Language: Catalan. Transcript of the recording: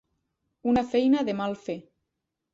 Una feina de mal fer.